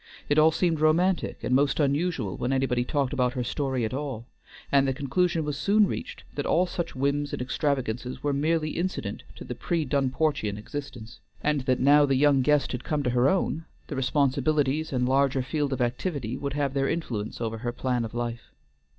It all seemed romantic and most unusual when anybody talked about her story at all, and the conclusion was soon reached that all such whims and extravagances were merely incident to the pre Dunportian existence, and that now the young guest had come to her own, the responsibilities and larger field of activity would have their influence over her plan of life.